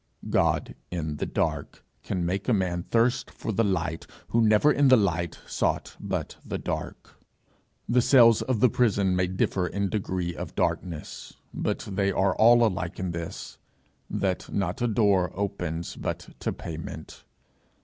God in the dark can make a man thirst for the light, who never in the light sought but the dark. The cells of the prison may differ in degree of darkness; but they are all alike in this, that not a door opens but to payment.